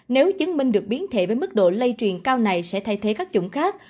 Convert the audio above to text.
nếu chứng minh được biến thể với mức độ lây truyền cao này sẽ thay thế các chủng khác